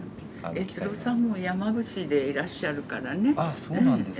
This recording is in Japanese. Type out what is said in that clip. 悦郎さんも山伏でいらっしゃるからね。